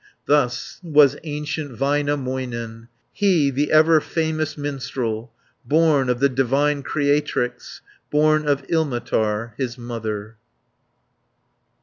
340 Thus was ancient Väinämöinen, He, the ever famous minstrel, Born of the divine Creatrix, Born of Ilmatar, his mother.